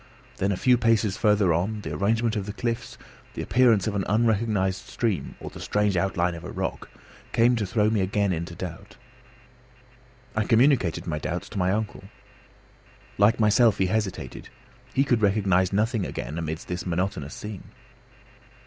Then a few paces farther on, the arrangement of the cliffs, the appearance of an unrecognised stream, or the strange outline of a rock, came to throw me again into doubt. I communicated my doubts to my uncle. Like myself, he hesitated; he could recognise nothing again amidst this monotonous scene.